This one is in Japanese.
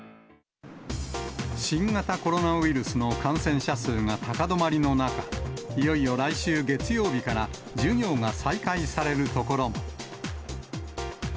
新型コロナウイルスの感染者数が高止まりの中、いよいよ来週月曜日から授業が再開されるところも。